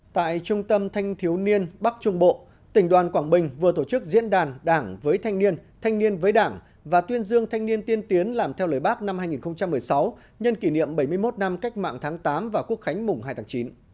tại trung tâm thanh thiếu niên bắc trung bộ tỉnh đoàn quảng bình vừa tổ chức diễn đàn đảng với thanh niên thanh niên với đảng và tuyên dương thanh niên tiên tiến làm theo lời bác năm hai nghìn một mươi sáu nhân kỷ niệm bảy mươi một năm cách mạng tháng tám và quốc khánh mùng hai tháng chín